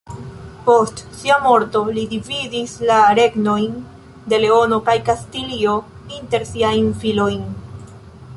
Post sia morto, li dividis la regnojn de Leono kaj Kastilio inter siajn filojn.